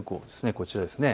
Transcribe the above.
こちらです。